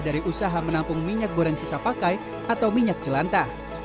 dari usaha menampung minyak goreng sisa pakai atau minyak jelantah